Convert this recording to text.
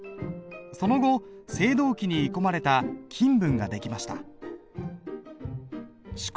その後青銅器に鋳込まれた金文が出来ました。